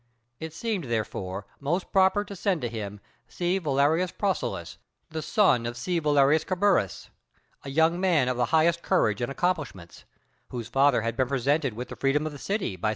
It seemed therefore most proper to send to him C. Valerius Procillus, the son of C. Valerius Caburus, a young man of the highest courage and accomplishments (whose father had been presented with the freedom of the city by C.